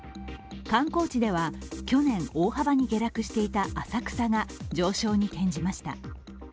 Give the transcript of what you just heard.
観光地では、去年大幅に下落していた浅草が上昇に転じました。